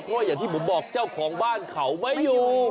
เพราะว่าอย่างที่ผมบอกเจ้าของบ้านเขาไม่อยู่